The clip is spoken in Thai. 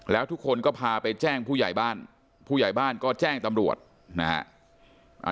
แล้วทุกคนก็พาไปแจ้งผู้ใหญ่บ้านผู้ใหญ่บ้านก็แจ้งตำรวจนะฮะ